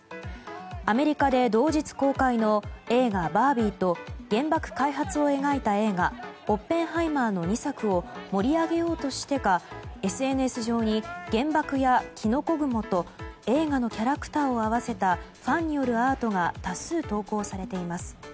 アメリカで同日公開の映画「バービー」と原爆開発を描いた映画「オッペンハイマー」の２作を盛り上げようとしてかＳＮＳ上に原爆やキノコ雲と映画のキャラクターを合わせたファンによるアートが多数投稿されています。